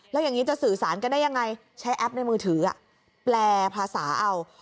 แล้วอย่างนี้จะสื่อสารกันได้ยังไงใช้แอปในมือถือแปลภาษาเอา